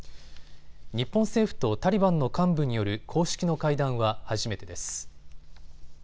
日本政府とタリバンの幹部による公式の会談は初めてです。